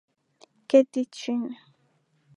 keti chini